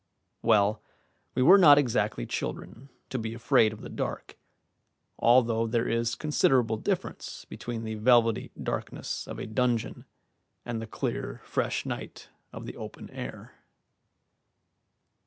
Well, we were not exactly children, to be afraid of the dark, although there is considerable difference between the velvety darkness of a dungeon and the clear, fresh night of the open air.